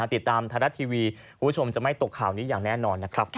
ติดตามไทยรัฐทีวีคุณผู้ชมจะไม่ตกข่าวนี้อย่างแน่นอนนะครับ